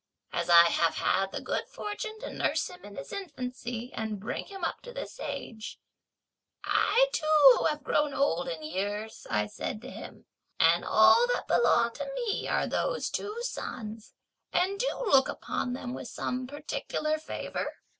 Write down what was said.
As I have had the good fortune to nurse him in his infancy and to bring him up to this age, 'I too have grown old in years,' I said to him, 'and all that belong to me are those two sons, and do look upon them with some particular favour!'